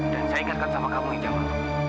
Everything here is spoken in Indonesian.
dan saya ingatkan sama kamu jokowi